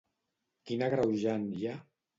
Quin agreujant hi ha?